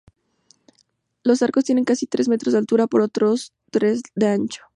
Los arcos tienen casi tres metros de altura por otros tres de ancho.